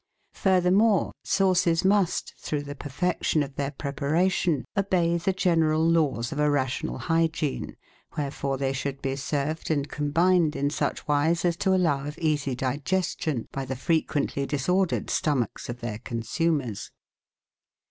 Furthermore, sauces must, through the perfection of their preparation, obey the general laws of a rational hygiene, where fore they should be served and combined in such wise as to allow of easy digestion by the frequently disordered stomachs of their consumers.